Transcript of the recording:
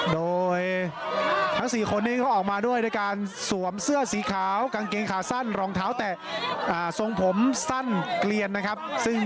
โดยทั้ง๔คนนี้เขาออกมาด้วยด้วยการสวมเสื้อสีขาวกางเกงขาสั้นรองเท้าแตะทรงผมสั้นเกลียนนะครับ